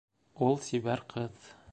Ул сибәр ҡыҙ.